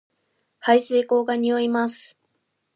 排水溝が臭います